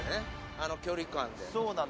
あの距離感で。